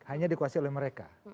hanya dikuasai oleh mereka